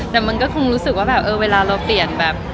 แต่มันก็คงรู้สึกว่าแบบเออเวลาเราเปลี่ยนแบบ